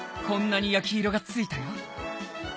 こんなに焼き色がついたよ。